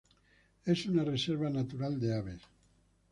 Es una reserva natural de aves.